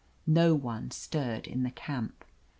No one stirred in the camp.